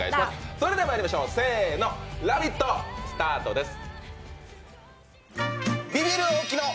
それでは、まいりましょう、せーの、「ラヴィット！」スタートです。